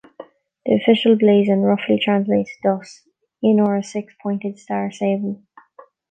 The official blazon roughly translates thus: In Or a six-pointed star sable.